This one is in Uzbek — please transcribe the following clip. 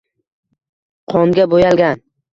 qonga boʼyalgan